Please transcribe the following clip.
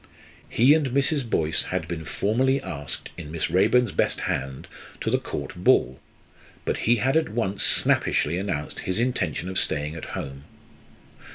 He and Mrs. Boyce had been formally asked in Miss Raeburn's best hand to the Court ball, but he had at once snappishly announced his intention of staying at home.